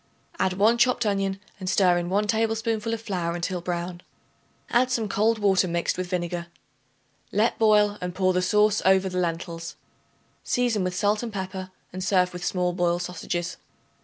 Add 1 chopped onion and stir in 1 tablespoonful of flour until brown; add some cold water mixed with vinegar. Let boil and pour the sauce over the lentils. Season with salt and pepper, and serve with small boiled sausages.